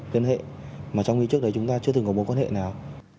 quan hệ mà trong khi trước đấy chúng ta chưa từng có mối quan hệ nào